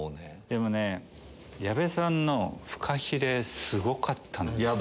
でもね矢部さんのフカヒレすごかったんですよ。